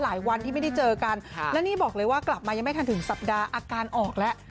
วันที่ไม่ได้เจอกันและนี่บอกเลยว่ากลับมายังไม่ทันถึงสัปดาห์อาการออกแล้ว